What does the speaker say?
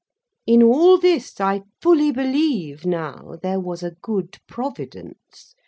In all this, I fully believe now, there was a good Providence.